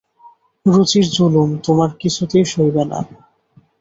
রুচির জুলুম তোমার কিছুতেই সইবে না।